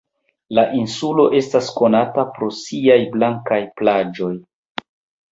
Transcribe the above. La insulo estas konata pro siaj blankaj plaĝoj.